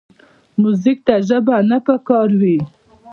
موزیک ته ژبه نه پکار وي.